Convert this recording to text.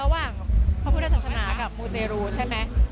พระพุทธศาสนากับมูเตรูใช่ไหม